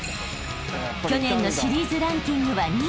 ［去年のシリーズランキングは２位］